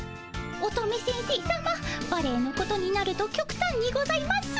乙女先生さまバレエのことになるときょくたんにございます。